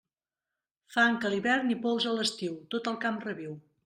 Fang a l'hivern i pols a l'estiu, tot el camp reviu.